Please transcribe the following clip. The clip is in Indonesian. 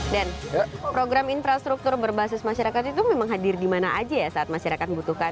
den program infrastruktur berbasis masyarakat itu memang hadir di mana saja saat masyarakat membutuhkan